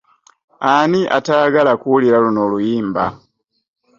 Ani atayagala kuwulira luno luyimba?